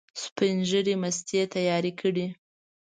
سپین ږیري مستې تیارې کړې.